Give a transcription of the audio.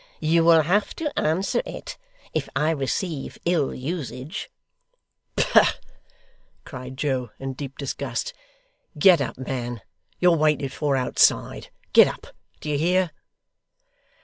You will have to answer it, if I receive ill usage. 'Pah!' cried Joe, in deep disgust. 'Get up, man; you're waited for, outside. Get up, do you hear?